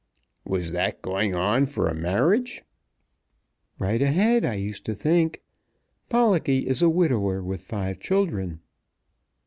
"Was that going on for a marriage?" "Right ahead, I used to think. Pollocky is a widower with five children."